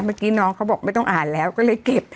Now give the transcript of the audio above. เมื่อกี้น้องเขาบอกไม่ต้องอ่านแล้วก็เลยเก็บ